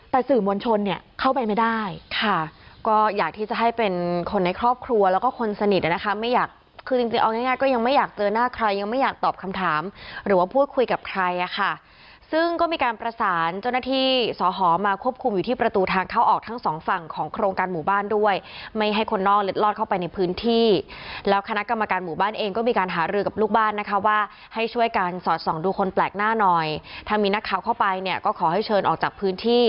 แต่สื่อมวลชนเนี่ยเข้าไปไม่ได้ค่ะก็อยากที่จะให้เป็นคนในครอบครัวแล้วก็คนสนิทนะคะไม่อยากคือจริงเอาง่ายก็ยังไม่อยากเจอหน้าใครยังไม่อยากตอบคำถามหรือว่าพูดคุยกับใครอ่ะค่ะซึ่งก็มีการประสานเจ้าหน้าที่สอหอมาควบคุมอยู่ที่ประตูทางเข้าออกทั้งสองฝั่งของโครงการหมู่บ้านด้วยไม่ให้คนนอกเล็ดลอดเข้าไปในพ